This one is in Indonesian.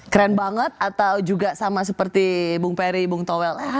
keren banget atau juga sama seperti bung peri bung towel